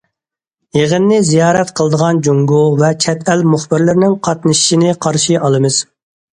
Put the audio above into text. يىغىننى زىيارەت قىلىدىغان جۇڭگو ۋە چەت ئەل مۇخبىرلىرىنىڭ قاتنىشىشىنى قارشى ئالىمىز.